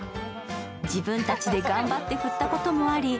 自分たちで頑張って振ったこともあり